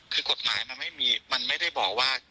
คือกฎหมายมันไม่ได้บอกว่า